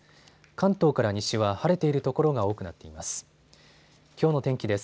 関東から西は晴れている所が多くなっています。